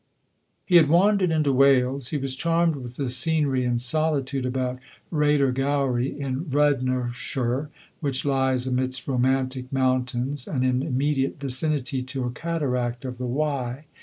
He had wandered into Wales. He was charmed with the scenery and solitude about Rhyaider Gowy, in Radnorshire, which lies amidst romantic mountains, and in immediate vicinity to a cataract of the Wye.